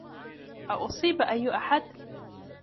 أاصيب اي احد؟